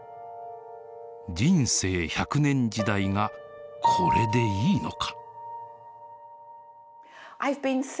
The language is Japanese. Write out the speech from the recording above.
「人生１００年時代」がこれでいいのか？